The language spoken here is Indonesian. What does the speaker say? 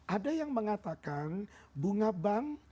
ada yang mengatakan bunga bank